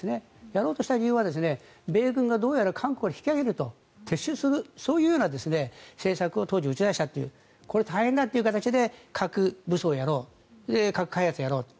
やろうとした理由は米軍が韓国から引き揚げると撤収するというような政策を当時打ち出したというこれは大変だという形で核武装をやろう核開発をやろうと。